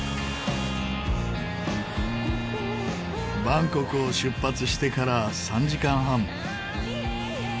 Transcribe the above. バンコクを出発してから３時間半。